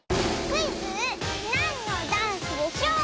クイズ「なんのダンスでしょう」